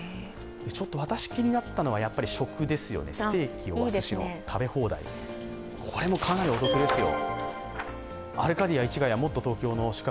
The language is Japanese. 私気になったのは、やはり食ですよね、ステーキ、おすしの食べ放題、これもかなりお得ですよ。